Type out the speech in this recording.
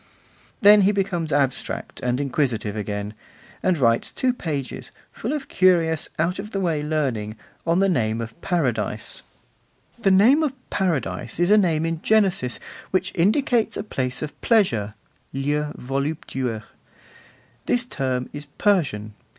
Then he becomes abstract and inquisitive again, and writes two pages, full of curious, out of the way learning, on the name of Paradise: The name of Paradise is a name in Genesis which indicates a place of pleasure (lieu voluptueux): this term is Persian.